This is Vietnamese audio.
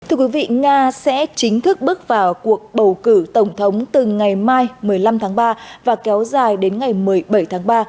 thưa quý vị nga sẽ chính thức bước vào cuộc bầu cử tổng thống từ ngày mai một mươi năm tháng ba và kéo dài đến ngày một mươi bảy tháng ba